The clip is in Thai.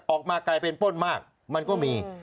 ออกมากลายเป็นป้นมากมันก็มี